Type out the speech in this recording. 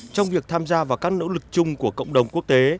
trong việc tham gia vào các nỗ lực chung của cộng đồng quốc tế